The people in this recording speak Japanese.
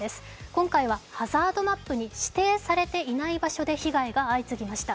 今回はハザードマップに指定されていない場所で被害が相次ぎました。